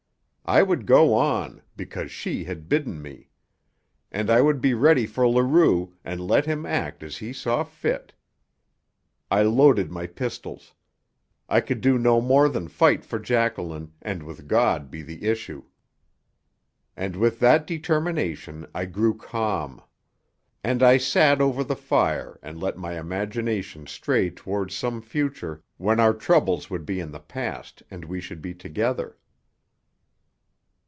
I would go on, because she had bidden me. And I would be ready for Leroux, and let him act as he saw fit. I loaded my pistols. I could do no more than fight for Jacqueline, and with God be the issue. And with that determination I grew calm. And I sat over the fire and let my imagination stray toward some future when our troubles would be in the past and we should be together.